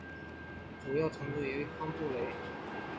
主要城镇为康布雷。